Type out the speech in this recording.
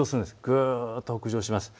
ぐっと北上します。